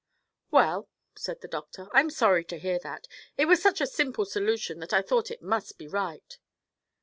"Well," said the doctor, "I'm sorry to hear that. It was such a simple solution that I thought it must be right."